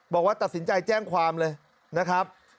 บอกว่าตัดสินใจแจ้งความเลยนะครับ